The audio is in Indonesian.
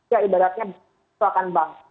ya ibaratnya misalkan bank